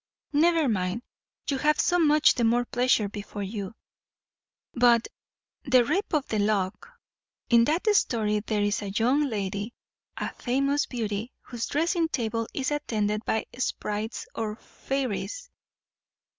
"Never mind; you have so much the more pleasure before you. But the 'Rape of the Lock' in that story there is a young lady, a famous beauty, whose dressing table is attended by sprites or fairies.